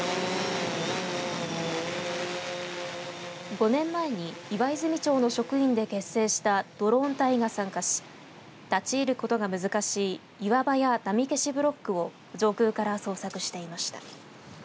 ５年前に岩泉町の職員で結成したドローン隊が参加し立ち入ることが難しい岩場や波消しブロックを上空から捜索していました。